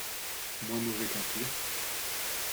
Moins mauvais qu’un pire